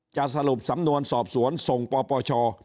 สรุปสำนวนสอบสวนส่งปปช